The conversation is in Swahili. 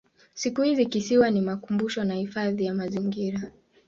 Siku hizi kisiwa ni makumbusho na hifadhi ya mazingira.